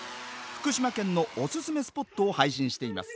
福島県のおすすめスポットを配信しています。